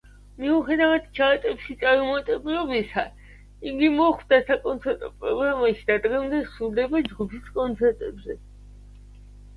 მიუხედავად ჩარტებში წარუმატებლობისა, იგი მოხვდა საკონცერტო პროგრამაში და დღემდე სრულდება ჯგუფის კონცერტებზე.